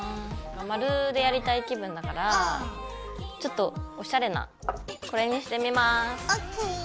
マルでやりたい気分だからちょっとおしゃれなこれにしてみます。